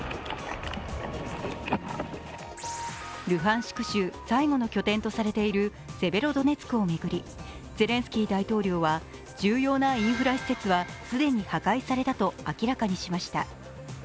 ルハンシク州最後の拠点とされているセベロドネツクを巡りゼレンスキー大統領は重要なインフラ施設は既に破壊されたと明らかにしました。